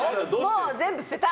もう全部捨てた！